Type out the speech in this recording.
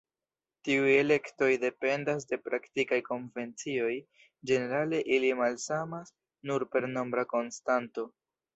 Tiuj elektoj dependas de praktikaj konvencioj, ĝenerale ili malsamas nur per nombra konstanto.